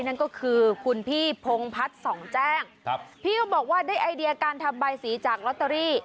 นั่นก็คือคุณพี่พงพัฒน์ส่องแจ้งครับพี่เขาบอกว่าได้ไอเดียการทำใบสีจากลอตเตอรี่